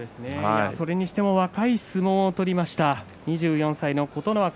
それにしても若い相撲を取りました２４歳の琴ノ若。